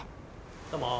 どうも。